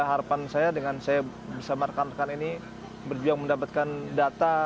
harapan saya dengan saya bersama rekan rekan ini berjuang mendapatkan data